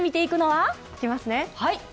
はい！